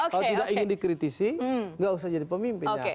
kalau tidak ingin dikritisi nggak usah jadi pemimpin